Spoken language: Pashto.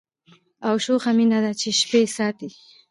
او شوخه مینه ده چي شپې ساتي